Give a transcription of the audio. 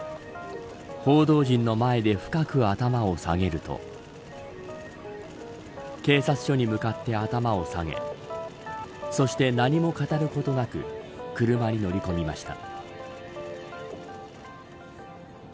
報道陣の前で深く頭を下げると警察署に向かって頭を下げそして何も語ることなく車に乗り込みました。